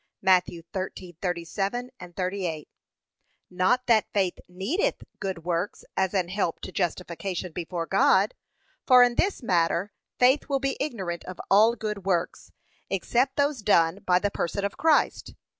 (Matt. 13:37, 38) Not that faith needeth good works as an help to justification before God. For in this matter faith will be ignorant of all good works, except those done by the person of Christ.